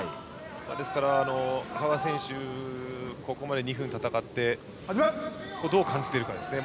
ですから、羽賀選手はここまで２分戦ってどう感じているかですね。